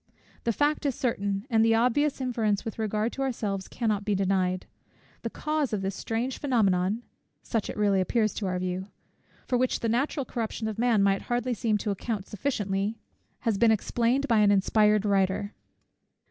The fact is certain, and the obvious inference with regard to ourselves cannot be denied. The cause of this strange phænomenon, (such it really appears to our view) for which the natural corruption of man might hardly seem to account sufficiently, has been explained by an inspired writer.